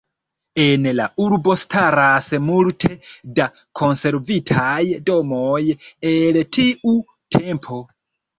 En la urbo staras multe da konservitaj domoj el tiu tempo.